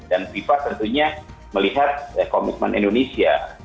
dan fifa tentunya melihat komitmen indonesia